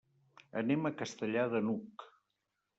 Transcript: Anem a Castellar de n'Hug.